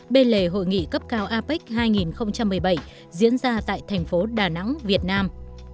bên lề hội nghị cấp cao apec hai nghìn một mươi bảy diễn ra tại thành phố đà nẵng việt nam